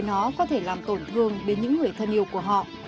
những người chiến sĩ có thể làm tổn thương đến những người thân yêu của họ